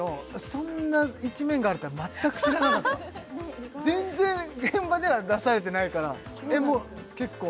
そんな一面があるとは全く知らなかった全然現場では出されてないからえっもう結構？